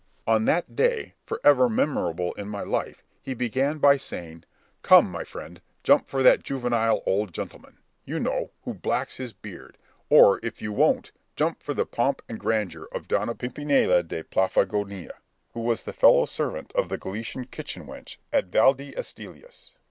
On that day (for ever memorable in my life) he began by saying, "Come, my friend, jump for that juvenile old gentleman, you know, who blacks his beard; or, if you won't, jump for the pomp and grandeur of Donna Pimpinela de Plafagonia, who was the fellow servant of the Galician kitchen wench at Valdeastillas.